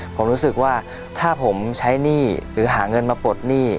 ผมรู้สึกว่าถ้าผมใช้หนี้หรือหาเงินมาปลดหนี้